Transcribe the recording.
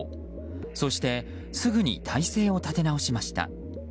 そして、すぐに体勢を立て直しました。